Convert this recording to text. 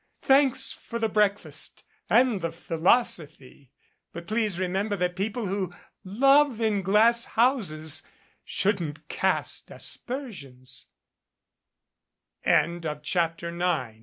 Thanks for the break fast and the philosophy. But please remember that people who love in glass houses shouldn't cast asper sions."